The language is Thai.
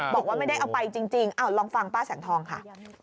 บอกว่าไม่ได้เอาไปจริงลองฟังป้าแสงทองค่ะ